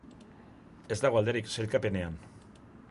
Ez dago alderik sailkapenean.